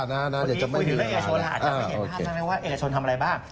ตอนนี้คุยดูแล้วเอกชนล่ะอาจจะไม่เห็นหน้าทางนะว่าเอกชนทำอะไรบ้าง